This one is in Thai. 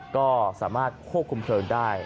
ก็สามารถควบคุมเพลิงได้